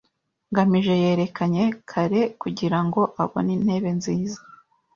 ngamije yerekanye kare kugirango abone intebe nziza.